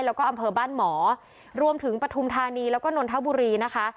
แล้วก็อำเภอบ้านหมอรวมถึงปฐุมธานีแล้วก็นนทบุรีนะคะ